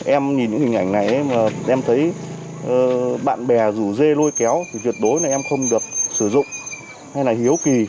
em nhìn những hình ảnh này mà em thấy bạn bè rủ dê lôi kéo thì tuyệt đối là em không được sử dụng hay là hiếu kỳ